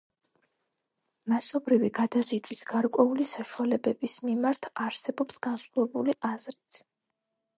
მასობრივი გადაზიდვის გარკვეული საშუალებების მიმართ, არსებობს განსხვავებული აზრიც.